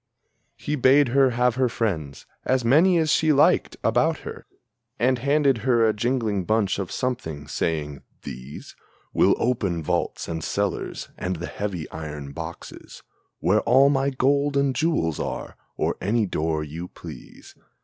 He bade her have her friends, as many as she liked, about her, And handed her a jingling bunch of something, saying, "These Will open vaults and cellars and the heavy iron boxes Where all my gold and jewels are, or any door you please.